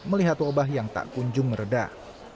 melihat wabah yang tak kunjung meredah